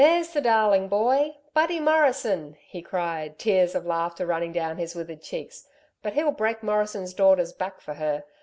"There's the darlin' boy. Buddy Morrison," he cried, tears of laughter running down his withered cheeks. "But he'll break Morrison's daughter's back for her!